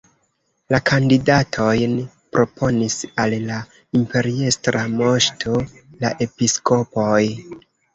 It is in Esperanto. La kandidatojn proponis al la imperiestra moŝto la episkopoj.